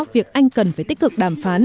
việc anh cần phải tích cực đàm phán